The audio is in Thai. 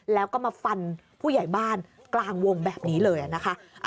แล้วก็มาฟันผู้ใหญ่บ้านกลางวงแบบนี้เลยนะคะ